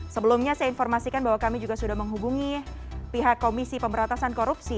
sebelumnya saya informasikan bahwa kami juga sudah menghubungi pihak komisi pemberantasan korupsi